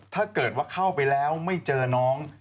ถ้าเกิดว่าเข้าไปแล้วไม่เจอน้อง